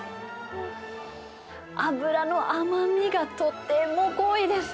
脂の甘みがとても濃いです。